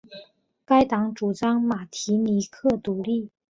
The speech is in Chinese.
该党主张马提尼克独立。